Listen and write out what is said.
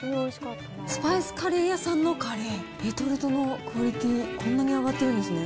スパイスカレー屋さんのカレー、レトルトのクオリティー、こんなに上がってるんですね。